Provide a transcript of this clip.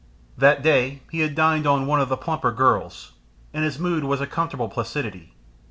That day he had dined on one of the plumper girls, and his mood was a comfortable placidity.